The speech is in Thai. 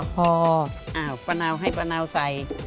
พออ้าวปะนาวให้ปะนาวใส่